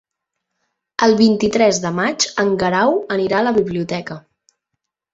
El vint-i-tres de maig en Guerau anirà a la biblioteca.